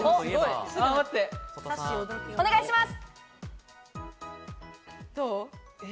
お願いします。